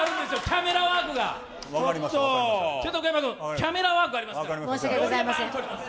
キャメラワークがありますから！